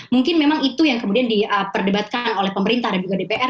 mungkin memang itu yang kemudian diperdebatkan oleh pemerintah dan juga dpr